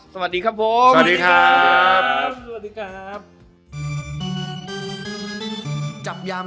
สวัสดีครับผม